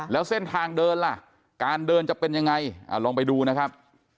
แล้วเส้นทางเดินล่ะการเดินจะเป็นยังไงลองไปดูนะครับ